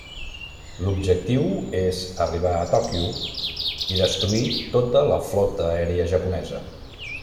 L'objectiu és arribar a Tòquio i destruir tota la flota aèria japonesa.